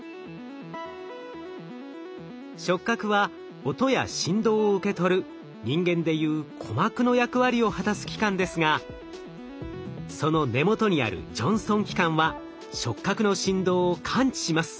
触角は音や振動を受け取る人間でいう鼓膜の役割を果たす器官ですがその根元にあるジョンストン器官は触角の振動を感知します。